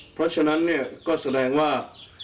เพราะฉะนั้นเนี่ยก็แสดงว่า